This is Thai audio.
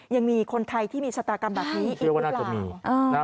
ยังมีคนไทยที่มีชะตากรรมแบบนี้อีกหรือเปล่า